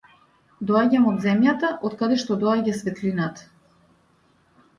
Доаѓам од земјата од каде што доаѓа светлината.